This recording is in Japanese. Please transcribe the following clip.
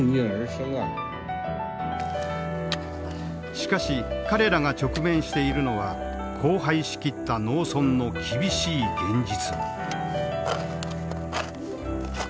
しかし彼らが直面しているのは荒廃し切った農村の厳しい現実。